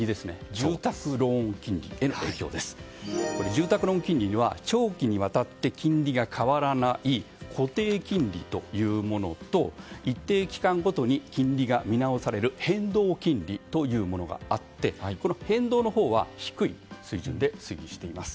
住宅ローン金利には長期にわたって金利が変わらない固定金利というものと一定期間ごとに金利が見直される変動金利というものがあって変動のほうは低い水準で推移しています。